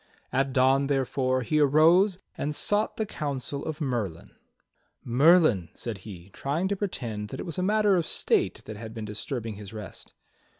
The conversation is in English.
At dawn, therefore, he arose and sought the counsel of Merlin. "Merlin," said he, trying to pretend that it was a matter of state that had been disturbing his rest.